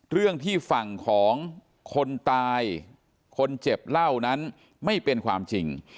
เรื่องที่ฝั่งของคนตายคนเจ็บเล่านั้นไม่เป็นความจริง